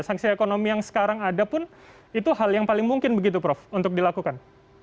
sanksi ekonomi yang sekarang ada pun itu hal yang paling mungkin begitu prof untuk dilakukan